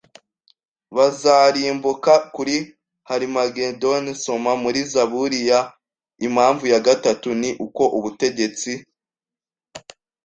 bazarimbuka kuri Harimagedoni Soma muri Zaburi ya Impamvu ya gatatu ni uko ubutegetsi